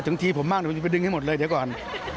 ถึงทีผมมากเดี๋ยวผมจะไปดึงให้หมดเลยเดี๋ยวก่อน